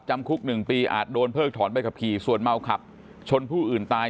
จำคุก๑ปีอาจโดนเพิกถอนใบขับขี่ส่วนเมาขับชนผู้อื่นตาย